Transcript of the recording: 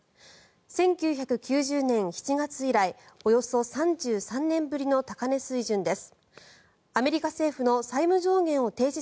１９９０年７月以来およそ３３年ぶりの高値水準です。